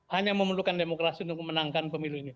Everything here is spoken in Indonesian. hanya memerlukan demokrasi untuk memenangkan pemilu ini